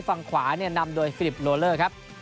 ฝั่งขวาเนี่ยนำโดยฟิลิปโลเลอร์ครับ